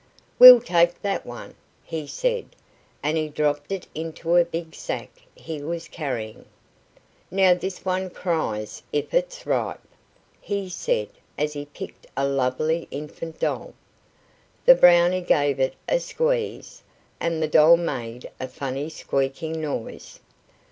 "We'll take that one," he said, and he dropped it into a big sack he was carrying. "Now this one cries, if it's ripe," he said as he picked a lovely infant doll. The Brownie gave it a squeeze, and the doll made a funny squeaking noise.